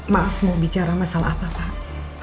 maaf mau bicara masalah apa pak